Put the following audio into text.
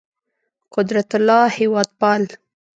قدرت الله هېوادپال